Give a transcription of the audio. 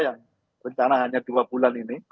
yang rencana hanya dua bulan ini